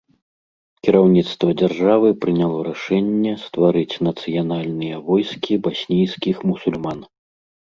Кіраўніцтва дзяржавы прыняло рашэнне стварыць нацыянальныя войскі баснійскіх мусульман.